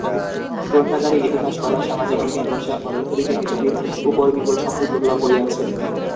গ্রন্থাগারে ইতিহাস, কলা, সামাজিক বিজ্ঞান, রসায়ন, পদার্থবিজ্ঞান, ইত্যাদির উপর বিপুল সংখ্যক দুর্লভ বই আছে।